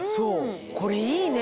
これいいね！